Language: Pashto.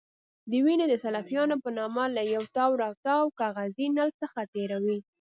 دا وینه د سلوفان په نامه له یو تاوراتاو کاغذي نل څخه تېروي.